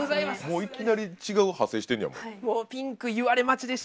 もういきなり違う派生してんねやもん。